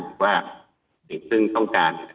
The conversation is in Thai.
ในซึ่งต้องการ